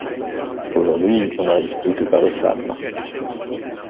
Aujourd’hui on n’arrive plus que par les femmes.